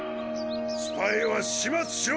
スパイは始末しろ。